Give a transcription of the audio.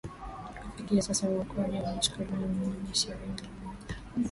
kufikia sasa waokoaji wamechukua miili ishirini na moja